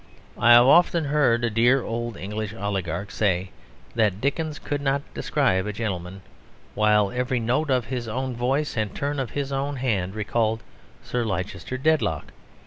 I have often heard a dear old English oligarch say that Dickens could not describe a gentleman, while every note of his own voice and turn of his own hand recalled Sir Leicester Dedlock.